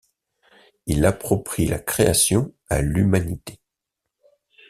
Il approprie la création à l’humanité.